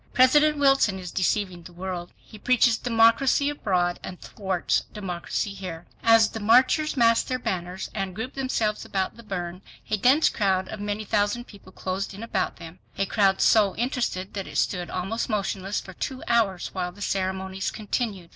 PRESIDENT WILSON IS DECEIVING THE WORLD. HE PREACHES DEMOCRACY ABROAD AND THWARTS DEMOCRACY HERE. As the marchers massed their banners, and grouped themselves about the urn, a dense crowd of many thousand people closed in about them, a crowd so interested that it stood almost motionless for two hours while the ceremonies continued.